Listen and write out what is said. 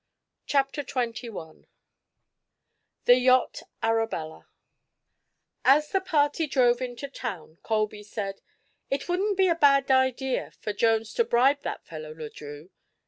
CHAPTER XXI THE YACHT "ARABELLA" As the party drove into town Colby said: "It wouldn't be a bad idea for Jones to bribe that fellow Le Drieux.